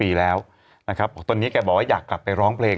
สีวิต้ากับคุณกรนิดหนึ่งดีกว่านะครับแฟนแห่เชียร์หลังเห็นภาพ